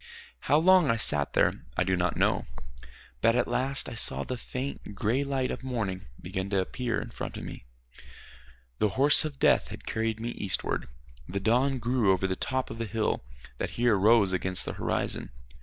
How long I sat there I do not know; but at last I saw the faint gray light of morning begin to appear in front of me. The horse of death had carried me eastward. The dawn grew over the top of a hill that here rose against the horizon.